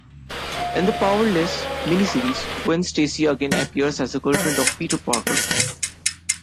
In the "Powerless" mini-series, Gwen Stacy again appears as the girlfriend of Peter Parker.